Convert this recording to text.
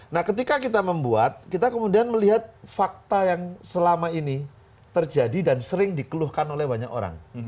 nah ketika kita membuat kita kemudian melihat fakta yang selama ini terjadi dan sering dikeluhkan oleh banyak orang